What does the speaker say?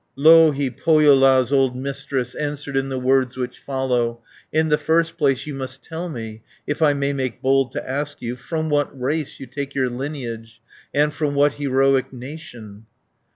Louhi, Pohjola's old Mistress, Answered in the words which follow: "In the first place you must tell me, If I may make bold to ask you, From what race you take your lineage, And from what heroic nation?"